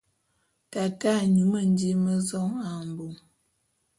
Tate a nyú mendím mé zong ā mbong.